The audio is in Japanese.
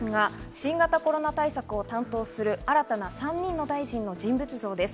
新型コロナ対策を担当する新たな３人の大臣の人物像です。